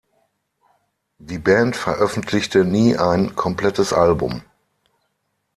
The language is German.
Die Band veröffentlichte nie ein komplettes Album.